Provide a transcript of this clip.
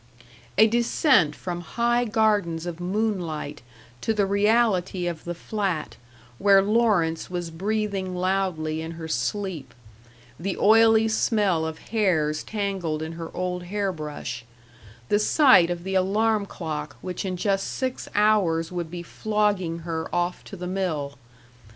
A descent from high gardens of moonlight to the reality of the flat, where Lawrence was breathing loudly in her sleep; the oily smell of hairs tangled in her old hair brush; the sight of the alarm clock which in just six hours would be flogging her off to the mill.